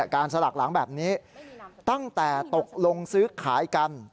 สลักหลังแบบนี้ตั้งแต่ตกลงซื้อขายกัน